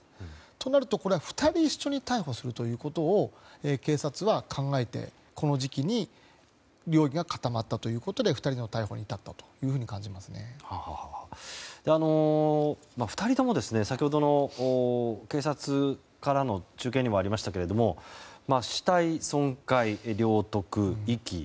となると、２人一緒に逮捕するということを警察は考えて、この時期に容疑が固まったということで２人の逮捕に至ったと２人とも先ほどの警察からの中継にもありましたけれども死体損壊、領得、遺棄。